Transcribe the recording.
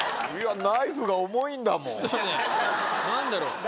何だろう